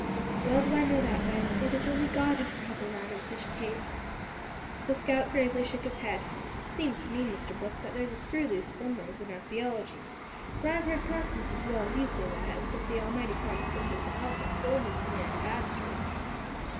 "Well do I know that, Ben. It is only God who can help a man in such a case." The scout gravely shook his head. "Seems to me, Mr Brooke, that there's a screw loose some wheres in our theology, for I've heard parsons as well as you say that as if the Almighty condescended to help us only when we're in bad straits.